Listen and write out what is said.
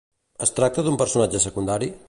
Es tracta d'un personatge secundari?